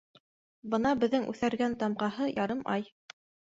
Бына беҙҙең үҫәргән тамғаһы - ярым ай.